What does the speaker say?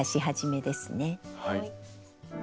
はい。